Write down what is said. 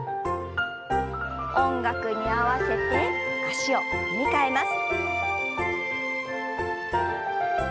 音楽に合わせて足を踏み替えます。